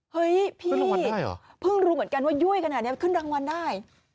เฮ้ยพี่เพิ่งรู้เหมือนกันว่ายุ่ยขนาดนี้ขึ้นรางวัลได้